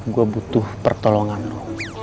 gua butuh pertolongan lo